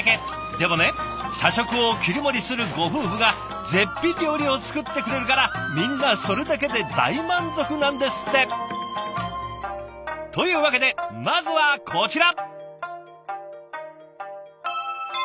でもね社食を切り盛りするご夫婦が絶品料理を作ってくれるからみんなそれだけで大満足なんですって！というわけでまずはこちら。